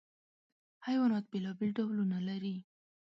حیوانات بېلابېل ډولونه لري.